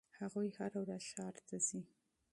هغوی هره ورځ ښار ته ځي.